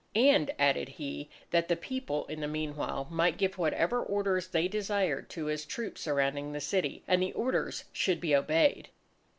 And added he, that the People, in the meanwhile, might give whatever orders they desired to his troops surrounding the city; and the orders should be obeyed.